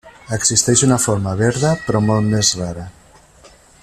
Existeix una forma verda però molt més rara.